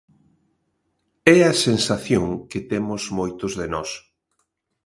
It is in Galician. É a sensación que temos moitos de nós.